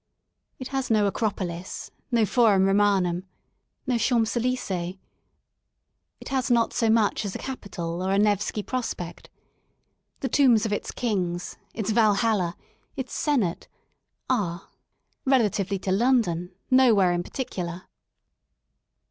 It has no Acropolis, no Forum Romanum, no Champs Elys6es ; it has not so much as a Capitol or a Nevski Prospekt. The tombs of its Kings, its Valhalla, its Senate, are, relatively to London nowhere in par ticular.